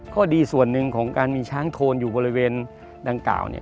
ข้อดีส่วนหนึ่งของการมีช้างโทนอยู่บริเวณดังกล่าว